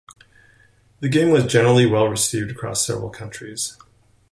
The game was generally well received across several countries.